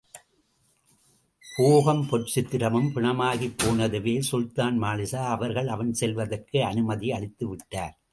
பேகம் பொற்சித்திரமும் பிணமாகிப் போனதுவே சுல்தான் மாலிக்ஷா அவர்கள், அவன் செல்வதற்கு அனுமதியளித்து விட்டார்.